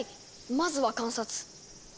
まずは観察。